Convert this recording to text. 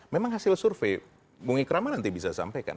memang hasil survei bung ikrama nanti bisa sampaikan